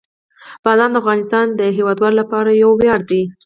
بادام د افغانستان د هیوادوالو لپاره یو ویاړ دی.